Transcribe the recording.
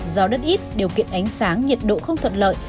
do đất ít điều kiện ánh sáng nhiệt độ không thuận lợi